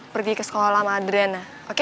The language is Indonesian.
pergi ke sekolah sama adrena oke